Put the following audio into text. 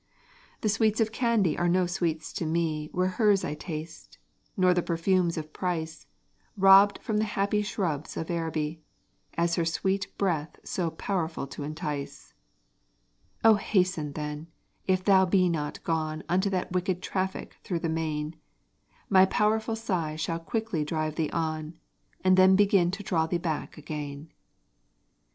The sweets of Candy are no sweets to me Where hers I taste: nor the perfumes of price, Robbed from the happy shrubs of Araby, As her sweet breath so powerful to entice. O hasten then! and if thou be not gone Unto that wicked traffic through the main, My powerful sigh shall quickly drive thee on, And then begin to draw thee back again.